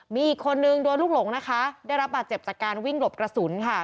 มีอีกคนนึงโดนลูกหลงนะคะได้รับบาดเจ็บจากการวิ่งหลบกระสุนค่ะ